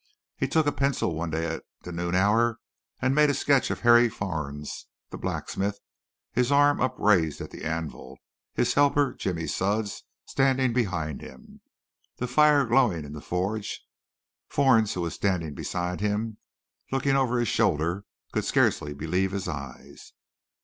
He took a pencil one day at the noon hour and made a sketch of Harry Fornes, the blacksmith, his arm upraised at the anvil, his helper, Jimmy Sudds, standing behind him, the fire glowing in the forge. Fornes, who was standing beside him, looking over his shoulder, could scarcely believe his eyes.